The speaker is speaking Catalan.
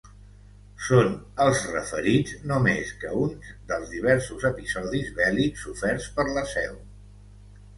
Són, els referits, no més que uns dels diversos episodis bèl·lics soferts per la Seu.